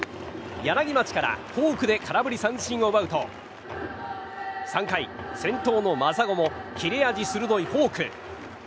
柳町からフォークで空振り三振を奪うと３回、先頭の真砂も切れ味鋭いフォーク。